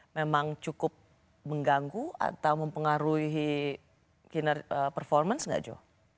memang cukup mengganggu atau mempengaruhi kinerja performance nggak jo